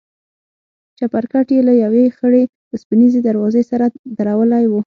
چپرکټ يې له يوې خړې وسپنيزې دروازې سره درولى و.